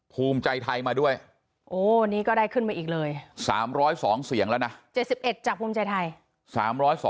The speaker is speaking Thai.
ภูมิใจไทยมาด้วยโอ้นี่ก็ได้ขึ้นมาอีกเลย๓๐๒เสียงแล้วนะ๗๑จากภูมิใจไทย